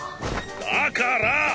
だからぁ